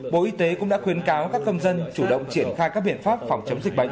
bộ y tế cũng đã khuyến cáo các công dân chủ động triển khai các biện pháp phòng chống dịch bệnh